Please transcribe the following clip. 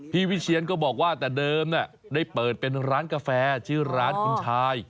วิเชียนก็บอกว่าแต่เดิมได้เปิดเป็นร้านกาแฟชื่อร้านคุณชาย